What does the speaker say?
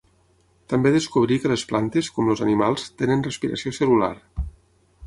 També descobrí que les plantes, com els animals, tenen respiració cel·lular.